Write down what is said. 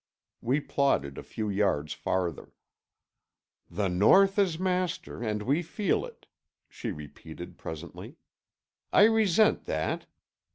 We plodded a few yards farther. "The North is master—and we feel it," she repeated presently. "I resent that.